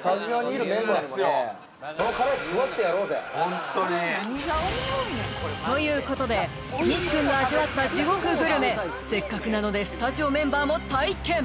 確かになということで西君が味わった地獄グルメせっかくなのでスタジオメンバーも体験